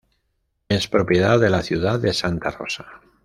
Es propiedad de la ciudad de Santa Rosa.